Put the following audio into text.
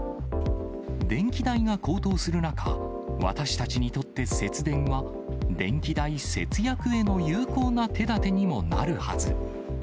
電気代が高騰する中、私たちにとって節電は、電気代節約への有効な手だてにもなるはず。